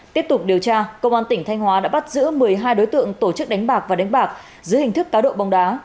tiếp tục điều tra công an tỉnh thanh hóa đã bắt giữ một mươi hai đối tượng tổ chức đánh bạc và đánh bạc dưới hình thức cá độ bóng đá